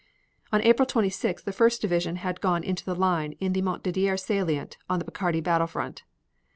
On April 26th the First Division had gone into the line in the Montdidier salient on the Picardy battle front.